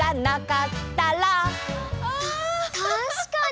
たしかに！